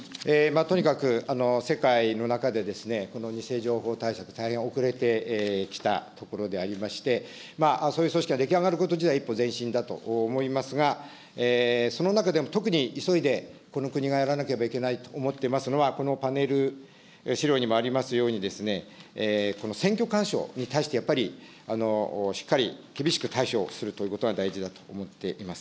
とにかく世界の中でですね、偽情報対策、大変遅れてきたところでありまして、そういう組織が出来上がること自体、一歩前進だと思いますが、その中でも特に急いで、この国がやらなければいけないと思ってますのは、このパネル、資料にもありますように、選挙干渉に対してやっぱりしっかり厳しく対処するということが大事だと思っています。